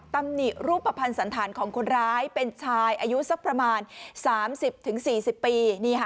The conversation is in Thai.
ตำหนิรูปภัณฑ์สันธารของคนร้ายเป็นชายอายุสักประมาณ๓๐๔๐ปี